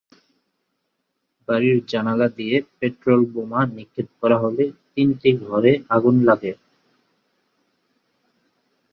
বাড়ির জানালা দিয়ে পেট্রলবোমা নিক্ষেপ করা হলে তিনটি ঘরে আগুন লাগে।